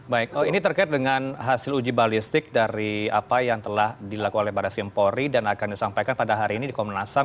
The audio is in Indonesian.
baik ini terkait dengan hasil uji balistik dari apa yang telah dilakukan oleh baris kempori dan akan disampaikan pada hari ini di komnas ham